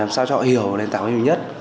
làm sao cho họ hiểu lền tảng của mình nhất